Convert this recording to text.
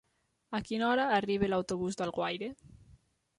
A quina hora arriba l'autobús d'Alguaire?